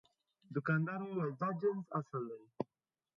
دوکاندار وویل دا جنس اصل دی.